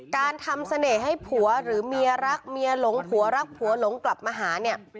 การทำเสน่ห์ให้ผัวหรือเมียรักเมียหลงผัวรักผัวหลงกลับมาหาเนี่ย